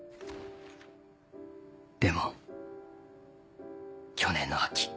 でも去年の秋。